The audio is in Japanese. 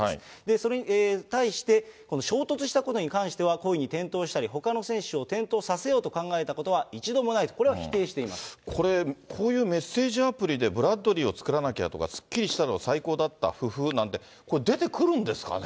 それに対して、衝突したことに関しては、故意に転倒したり、ほかの選手を転倒させようと考えたことは一度もないと、これは否これ、こういうメッセージアプリでブラッドバリーを作らなきゃとか、すっきりしたろ、最高だった、ふふっなんて出てくるんですかね。